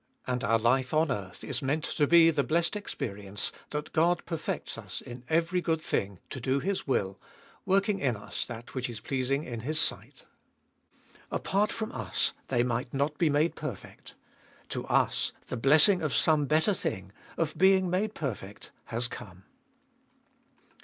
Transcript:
And our life on earth is meant to be the blessed experience that God perfects us in every good thing to do His will, working in us that which is pleasing in His sight. Apart from us they might not be made perfect ; to us the blessing of some better thing, of being made perfect, has come.